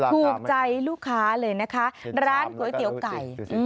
ถูกใจลูกค้าเลยนะคะร้านก๋วยเตี๋ยวไก่